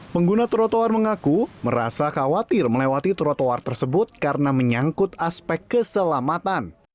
pengguna trotoar mengaku merasa khawatir melewati trotoar tersebut karena menyangkut aspek keselamatan